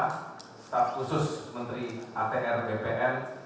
staf khusus menteri atr bpn